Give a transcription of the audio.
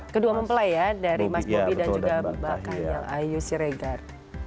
kedua mempelai ya dari mas bobi dan juga mbak kaniel ayu siregar